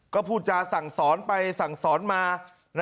ก็พูจาสั่งสอนไปสั่งสอนมานะครับ